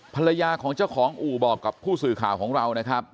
ภรรยาของเจ้าของอู่บอกกับผู้สื่อข่าวของเรานะครับ